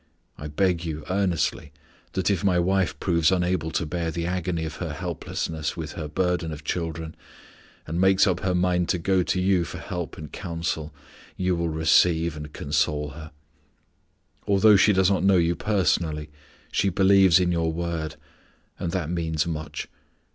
I beg you earnestly that if my wife proves unable to bear the agony of her helplessness with her burden of children and makes up her mind to go to you for help and counsel, you will receive and console her. Although she does not know you personally, she believes in your word, and that means much.